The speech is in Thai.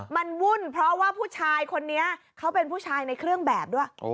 มันวุ่นเพราะว่าผู้ชายคนนี้เขาเป็นผู้ชายในเครื่องแบบด้วย